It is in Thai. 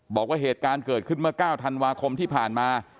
บอกว่าเหตุการณ์เกิดขึ้นเมื่อ๙ธันวาคมที่ผ่านมา